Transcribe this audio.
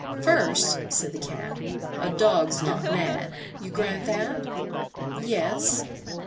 "First," said the Cat, "a dog's not mad. You grant that?" "Yes."